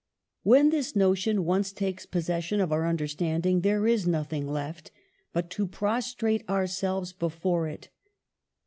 When this no tion once takes possession of our understand ing there is nothing left but to prostrate our selves before it.